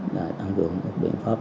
đã tăng cường biện pháp